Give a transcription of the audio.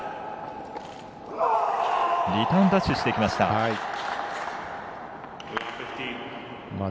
リターンダッシュしてきました。